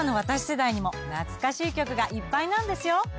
世代にも懐かしい曲がいっぱいなんですよ。